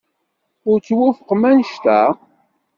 Ur twufqem anect-a?